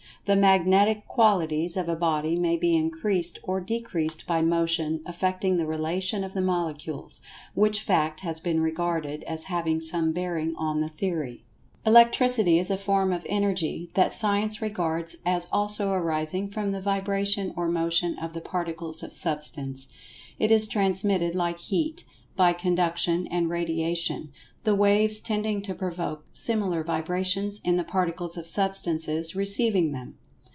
The magnetic qualities of a body may be increased or decreased by motion affecting the relation of the Molecules, which fact has been regarded as having some bearing on the theory. Electricity is a form of Energy, that Science regards as also arising from the vibration or motion of the Particles of Substance. It is transmitted, like Heat, by Conduction and Radiation, the "waves" tending to provoke similar vibrations in the Particles of Substances receiving them.